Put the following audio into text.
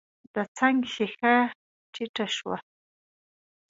د څنګ ښېښه ټيټه شوه.